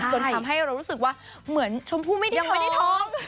จนทำให้เรารู้สึกว่าเหมือนชมพู่ไม่ได้ท้อง